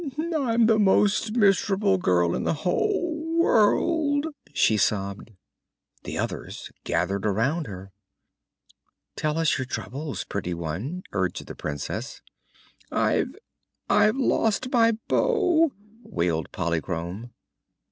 "I'm the most miserable girl in the whole world!" she sobbed. The others gathered around her. "Tell us your troubles, pretty one," urged the Princess. "I I've lost my bow!" wailed Polychrome.